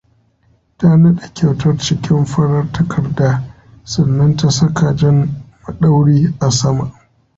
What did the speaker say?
Ta naɗe kyautar cikin farar takarda sannan ta saka jan maɗauri a sama.